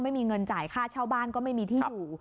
ไม่มีเงินจ่ายค่าเช่าบ้านก็ไม่มีที่อยู่